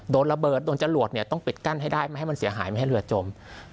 โดนระเบิดโดนจรวดเนี่ยต้องปิดกั้นให้ได้ไม่ให้มันเสียหายไม่ให้เรือจม